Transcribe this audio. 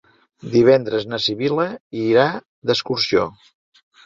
Divendres na Sibil·la irà d'excursió.